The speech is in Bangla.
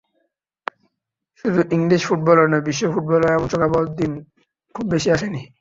শুধু ইংলিশ ফুটবলে নয়, বিশ্ব ফুটবলেও এমন শোকাবহ দিন খুব বেশি আসেনি।